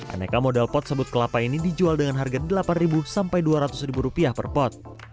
aneka model pot sebut kelapa ini dijual dengan harga rp delapan sampai rp dua ratus per pot